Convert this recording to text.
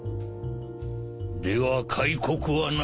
では開国はない。